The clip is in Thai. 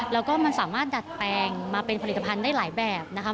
แล้วก็มันสามารถดัดแปลงมาเป็นผลิตภัณฑ์ได้หลายแบบนะคะ